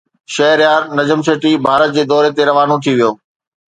شهريار نجم سيٺي ڀارت جي دوري تي روانو ٿي ويو